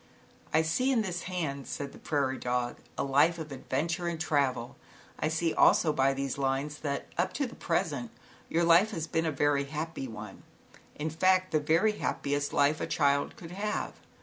"I see in this hand," said the prairie dog, "A life of adventure and travel. I see also by these lines, that up to the present, your life has been a very happy one, in fact, the very happiest life a child could have.